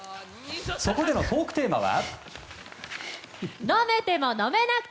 そこでのトークテーマは。